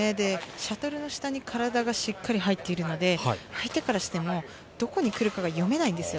シャトルの下に体がしっかりと入っているので、相手からしても、どこに来るかが読めないんですよ。